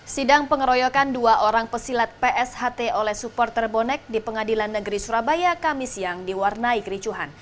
sidang pengeroyokan dua orang pesilat psht oleh supporter bonek di pengadilan negeri surabaya kamis yang diwarnai kericuhan